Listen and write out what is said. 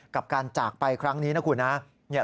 กับการจากไปครั้งนี้นะคุณนะ